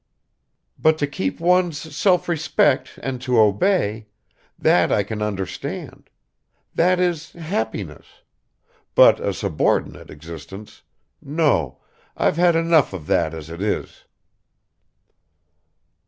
But to keep one's self respect and to obey that I can understand; that is happiness; but a subordinate existence ... no, I've had enough of that as it is."